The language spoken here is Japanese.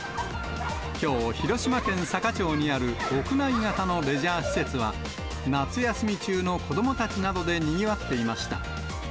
きょう、広島県坂町にある屋内型のレジャー施設は、夏休み中の子どもたちなどでにぎわっていました。